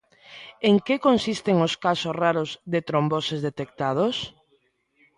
En que consisten os casos raros de tromboses detectados?